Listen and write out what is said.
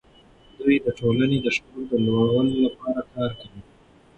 دوی د ټولنې د شعور د لوړولو لپاره کار کوي.